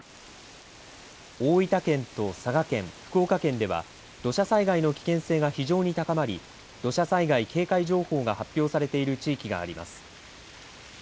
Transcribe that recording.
大分県と佐賀県、福岡県では土砂災害の危険性が非常に高まり土砂災害警戒情報が発表されている地域があります。